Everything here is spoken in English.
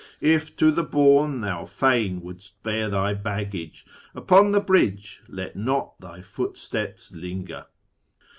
If to the bourn thou fain wouldst bear thy baggage Upon the bridge let not thy footsteps linger.'